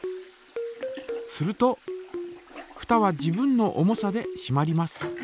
するとふたは自分の重さでしまります。